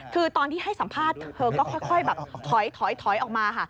คือตอนที่ให้สัมภาษณ์เธอก็ค่อยแบบถอยออกมาค่ะ